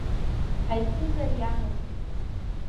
Ҳаицызар иамази?!